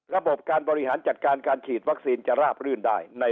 ระบบการบริหารจัดการการฉีดวัคซีนจะราบรื่นได้